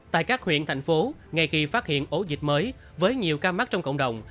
tại các huyện thành phố ngay khi phát hiện ổ dịch mới với nhiều ca mắc trong cộng đồng